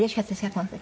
この時。